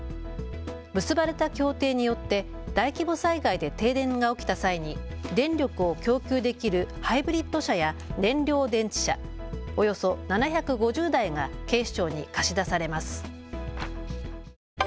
結ばれた協定によって大規模災害で停電が起きた際に電力を供給できるハイブリッド車や燃料電池車およそ７５０台が警視庁に貸し出されます。